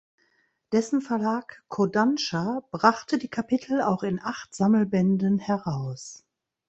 Dessen Verlag Kodansha brachte die Kapitel auch in acht Sammelbänden heraus.